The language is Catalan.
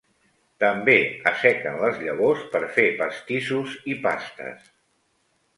També assequen les llavors per fer pastissos i pastes.